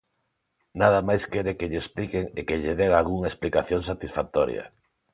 Nada máis quere que lle expliquen e que lle dean algunha explicación satisfactoria.